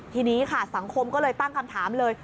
ทีนี้ค่ะสังคมก็เลยตั้งคำถามเลย